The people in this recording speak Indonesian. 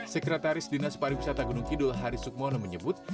sekretaris dinas pariwisata gunung kidul hari sukmono menyebut